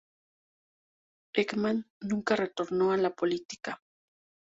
Ekman nunca retornó a la política.